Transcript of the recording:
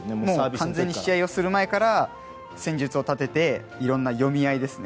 完全に試合をする前から戦術を立てていろんな読み合いですね。